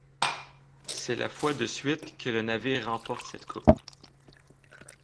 C'est la fois de suite que le navire remporte cette coupe.